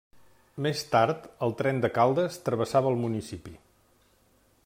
Més tard, el tren de Caldes travessava el municipi.